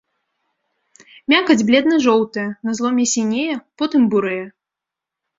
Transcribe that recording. Мякаць бледна-жоўтая, на зломе сінее, потым бурэе.